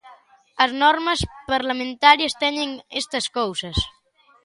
As normas parlamentarias teñen estas cousas.